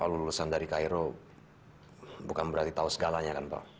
kalau lulusan dari cairo bukan berarti tahu segalanya kan pak